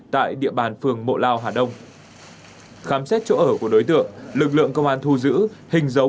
tại địa bàn phường mộ lao hà đông khám xét chỗ ở của đối tượng lực lượng công an thu giữ hình dấu